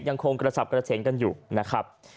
ยังคงกระสับกระเฉงกันอยู่นะครับ